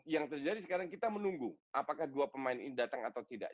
yang terjadi sekarang kita menunggu apakah dua pemain ini datang atau tidak